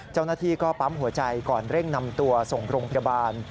เจ้าหน้าที่ก็ปั๊มหัวใจก่อนเร่งนำตัวส่งโรงพยาบาล